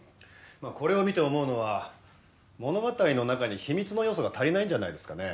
まあこれを見て思うのは物語の中に秘密の要素が足りないんじゃないですかね。